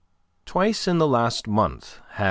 Twice in the last month, had M.